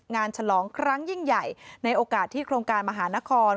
ฉลองครั้งยิ่งใหญ่ในโอกาสที่โครงการมหานคร